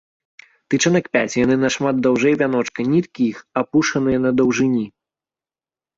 Тычынак пяць, яны нашмат даўжэй вяночка, ніткі іх апушаныя на даўжыні.